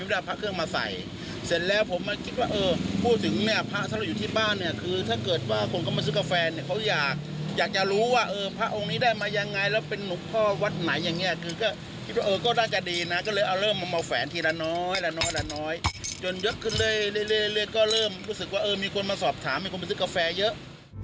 เรื่อยก็เริ่มรู้สึกว่ามีคนมาสอบถามมีคนมาซื้อกาแฟเยอะ